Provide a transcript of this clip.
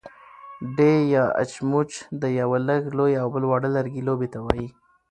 ډی يا اچموچ د يوۀ لږ لوی او بل واړۀ لرګي لوبې ته وايي.